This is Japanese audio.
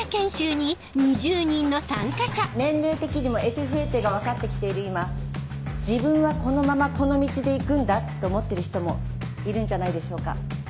年齢的にも得手不得手が分かって来ている今自分はこのままこの道で行くんだと思ってる人もいるんじゃないでしょうか。